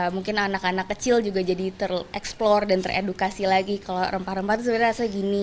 mungkin anak anak kecil juga jadi ter explore dan ter edukasi lagi kalo rempah rempah itu sebenernya rasa gini